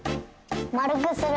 まるくする？